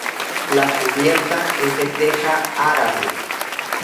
La cubierta es de teja árabe.